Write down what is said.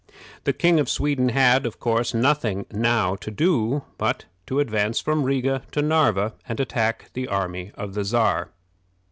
The King of Sweden had, of course, nothing now to do but to advance from Riga to Narva and attack the army of the Czar.